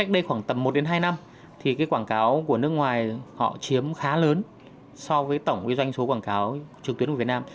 với khoảng tầm một hai năm quảng cáo của nước ngoài chiếm khá lớn so với tổng doanh số quảng cáo trực tuyến của việt nam